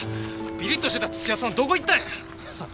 ピリッとしてた土屋さんはどこ行ったんや。